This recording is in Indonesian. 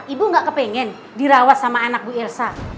ibu gak kepengen dirawat sama anak bu ilsa